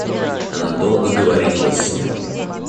Она долго говорила с ним.